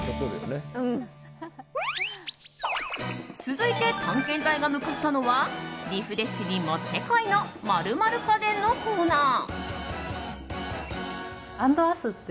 続いて探検隊が向かったのはリフレッシュにもってこいの○○家電のコーナー。